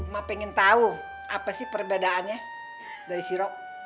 ma pengen tau apa sih perbedaannya dari si rob